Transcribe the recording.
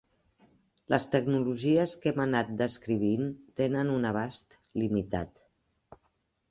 Les tecnologies que hem anat descrivint tenen un abast limitat.